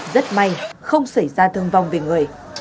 rất may không xảy ra thương vong về người